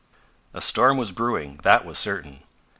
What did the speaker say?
A storm was brewing, that was certain.